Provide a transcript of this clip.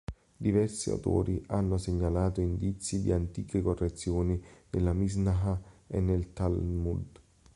Diversi autori hanno segnalato indizi di antiche correzioni nella Mishnah e nel Talmud.